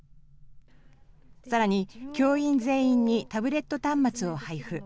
さらに、教員全員にタブレット端末を配布。